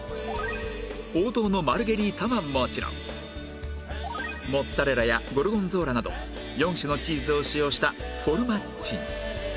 王道のマルゲリータはもちろんモッツァレラやゴルゴンゾーラなど４種のチーズを使用したフォルマッジ